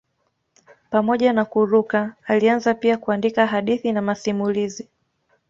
Pamoja na kuruka alianza pia kuandika hadithi na masimulizi.